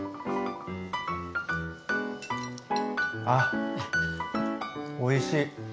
ああおいしい！